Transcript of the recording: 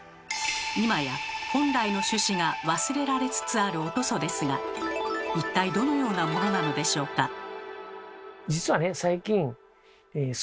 今や本来の趣旨が忘れられつつあるお屠蘇ですが一体どのようなものなのでしょうか？